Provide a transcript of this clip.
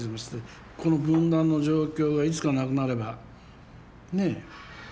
この分断の状況がいつかなくなればね